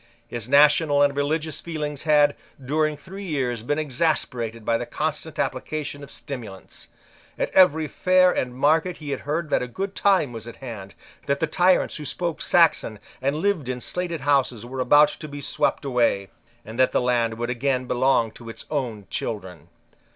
His national and religious feelings had, during three years, been exasperated by the constant application of stimulants. At every fair and market he had heard that a good time was at hand, that the tyrants who spoke Saxon and lived in slated houses were about to be swept away, and that the land would again belong to its own children.